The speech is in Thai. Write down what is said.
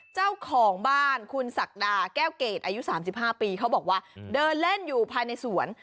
เจ้าของบ้านคุณศักดาแก้วเกรดอายุ๓๕ปีเขาบอกว่าเดินเล่นอยู่ภายในสวน